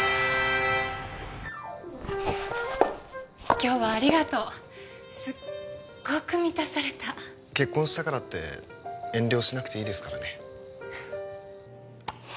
今日はありがとうすっごく満たされた結婚したからって遠慮しなくていいですからねうん？